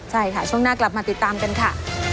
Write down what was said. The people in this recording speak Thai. ใช่ค่ะช่วงหน้ากลับมาติดตามกันค่ะ